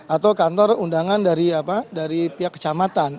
atau kantor undangan dari pihak kecamatan